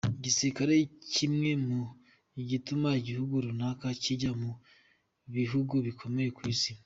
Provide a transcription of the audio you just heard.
Igisirikare kimwe mu bituma igihugu runaka kijya mu bihugu bikomeye ku Isi.